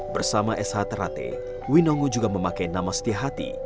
bersama sh terate winongo juga memakai nama setia hati